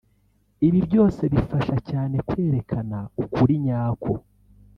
ibi byose bifasha cyane kwerekana ukuri nyako